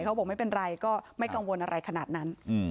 เขาบอกไม่เป็นไรก็ไม่กังวลอะไรขนาดนั้น